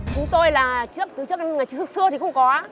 chúng tôi là trước từ trước từ xưa thì không có